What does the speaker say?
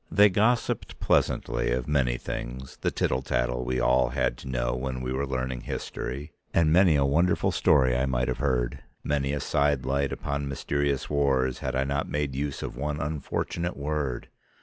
They gossiped pleasantly of many things, the tittle tattle we all had to know when we were learning history, and many a wonderful story I might have heard, many a side light on mysterious wars had I not made use of one unfortunate word.